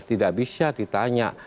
tidak bisa ditanya